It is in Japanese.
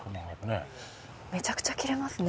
めちゃくちゃ切れますね。